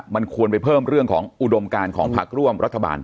มันควรไปเพิ่มเรื่องของอุดมการของพักร่วมรัฐบาล